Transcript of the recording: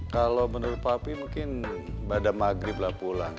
kalau menurut papi mungkin pada maghrib lah pulang